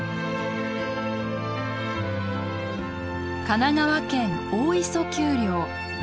神奈川県大磯丘陵。